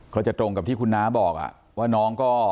เขาจะตรงแปทที่คุณนาบอกอะว่าน้องก็